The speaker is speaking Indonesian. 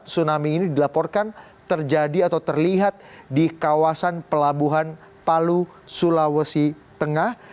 tsunami ini dilaporkan terjadi atau terlihat di kawasan pelabuhan palu sulawesi tengah